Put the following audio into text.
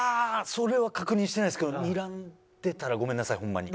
それは確認してないですけどにらんでたらごめんなさいホンマに。